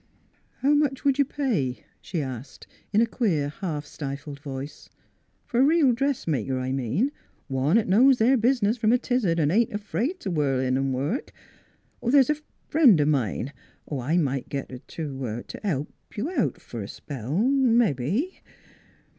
" How much would you pay? " she asked, in a queer, half stifled voice. " F'r a reel dressmaker, I mean. One 'at knows their bizniz from a t' izzard an' ain't afraid t' whirl in an' work. The's a friend o' mine I might git t' t' help you out f'r a spell, mebbe."